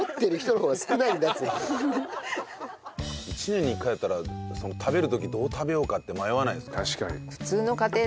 １年に１回だったら食べる時どう食べようかって迷わないですか？